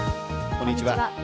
こんにちは。